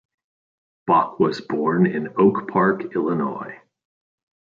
Bach was born in Oak Park, Illinois.